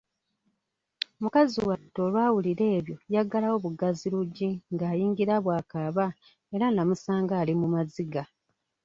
Mukazi wattu olwawulira ebyo yaggalawo buggazi luggi ng'ayingira bw'akaaba era nnamusanga ali mu maziga.